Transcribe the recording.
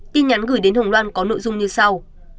tin nhắn gửi đến hồng loan có nội dung như sau